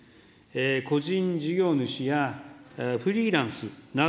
個人事業主やフリーランスなど、